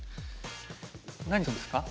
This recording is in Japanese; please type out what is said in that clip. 何するんですか？